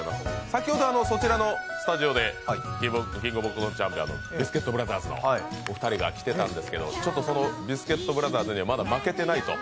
先ほどそちらのスタジオでキングオブコントチャンピオンのビスケットブラザーズのお二人が来てたんですけどそのビスケットブラザーズにはまだ負けてないと